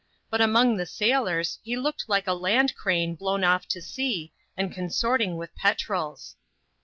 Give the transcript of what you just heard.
But among the sailors, he looked like a ind crane blown off to sea, and consorting with petrels.